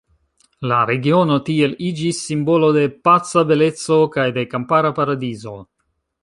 La regiono tiel iĝis simbolo de paca beleco kaj de kampara paradizo.